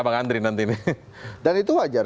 bang andri nanti dan itu wajar